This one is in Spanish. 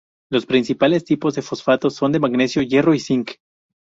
Los principales tipos de fosfatos son de manganeso, hierro y zinc.